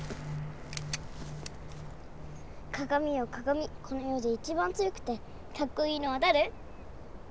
鏡よ鏡このよでいちばん強くてかっこいいのはだれ？